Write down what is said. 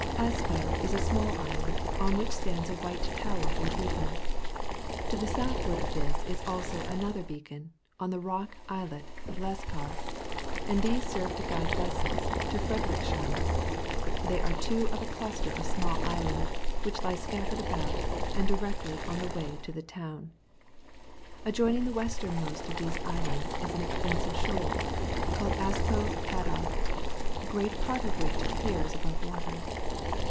ASPO is a small island, upon which stands a white tower or beacon; to the south ward of this is also another beacon on the Rock Islet of Leskar, these serve to guide vessels to Frederickshamn; they are two of a cluster of small islands which lie scattered about, and directly in the way to the town. Adjoining the westernmost of these islands is an extensive shoals called Aspo Gaddar, great part of which appears above water.